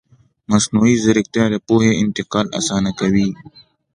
مصنوعي ځیرکتیا د پوهې انتقال اسانه کوي.